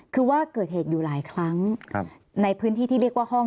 คือว่าเกิดเหตุอยู่หลายครั้งในพื้นที่ที่เรียกว่าห้อง